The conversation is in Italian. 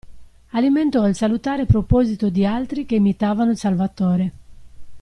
Alimentò il salutare proposito di altri che imitavano il Salvatore.